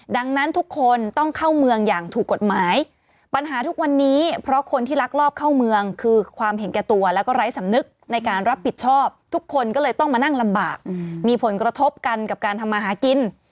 ดังนั้นทุกคนต้องเข้าเมืองอย่างถูกกฎหมายปัญหาทุกวันนี้เพราะคนที่ลักลอบเข้าเมืองคือความเห็นแก่ตัวแล้วก็ไร้สำนึกในการรับผิดชอบทุกคนก็เลยต้องมานั่งลำบากมีผลกระทบกันกับการทำมาหากิน